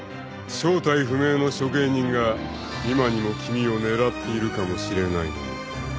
［正体不明の処刑人が今にも君を狙っているかもしれないのに］